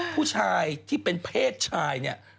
ผู้ชายที่เป็นเพศชายเนี่ย